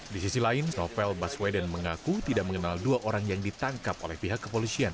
di sisi lain novel baswedan mengaku tidak mengenal dua orang yang ditangkap oleh pihak kepolisian